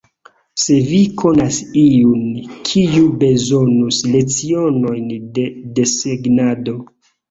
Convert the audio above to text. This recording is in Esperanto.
Se vi konas iun, kiu bezonus lecionojn de desegnado.